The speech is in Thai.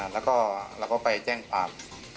แล้วก็ไปแจ้งความ